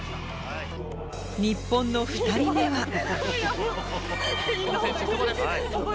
日本の２人目は。